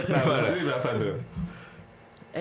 nah berarti berapa tuh